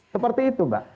seperti itu mbak